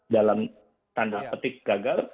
dalam tanda petik gagal